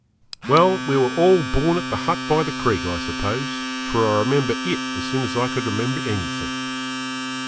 Well, we were all born at the hut by the creek, I suppose, for I remember it as soon as I could remember anything.